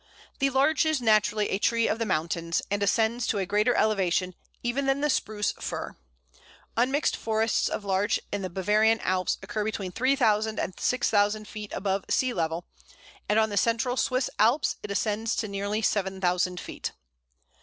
The Larch is naturally a tree of the mountains, and ascends to a greater elevation even than the Spruce Fir. Unmixed forests of Larch in the Bavarian Alps occur between 3000 and 6000 feet above sea level, and on the central Swiss Alps it ascends to nearly 7000 feet.